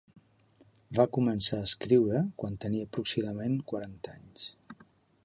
Va començar a escriure quan tenia aproximadament quaranta anys.